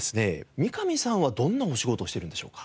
三上さんはどんなお仕事をしているんでしょうか？